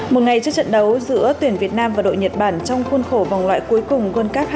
một ngày trước trận đấu giữa tuyển việt nam và đội nhật bản trong khuôn khổ vòng loại cuối cùng world cup hai nghìn hai